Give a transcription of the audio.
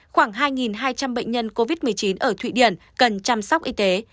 khoảng hai hai trăm linh bệnh nhân covid một mươi chín ở thụy điển cần chăm sóc y tế